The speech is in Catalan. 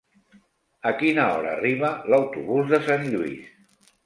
A quina hora arriba l'autobús de Sant Lluís?